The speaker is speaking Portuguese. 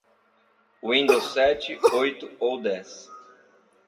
Windows sete, oito ou dez.